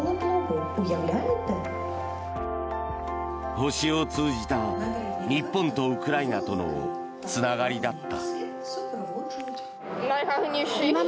星を通じた日本とウクライナとのつながりだった。